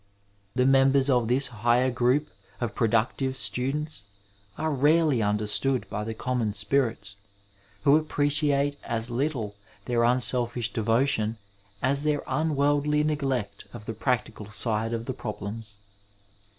The members of this higher group of productive students are rarely understood by the common spirits, who appreciate as little their unselfish devotion as their unworldly neglect of the practical side of the problems.